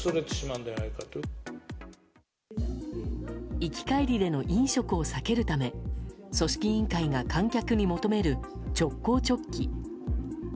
行き帰りでの飲食を避けるため組織委員会が観客に求める直行直帰。